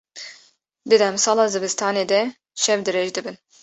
Di demsala zivistanê de, şev dirêj dibin.